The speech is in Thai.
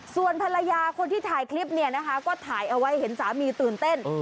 ส่วนภรรยาคนที่ถ่ายคลิปเนี่ยนะคะก็ถ่ายเอาไว้เห็นสามีตื่นเต้น